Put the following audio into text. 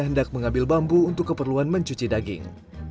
hendak mengambil bambu untuk keperluan mencuci daging